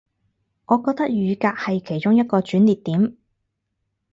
我覺得雨革係其中一個轉捩點